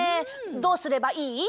どうすればいい？